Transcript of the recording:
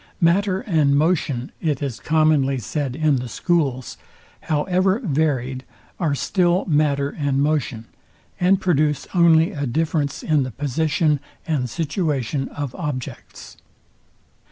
Matter and motion, it is commonly said in the schools, however varyed, are still matter and motion, and produce only a difference in the position and situation of objects.